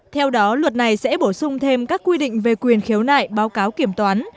theo đó luật này sẽ bổ sung thêm các quy định về quyền khiếu nại báo cáo kiểm toán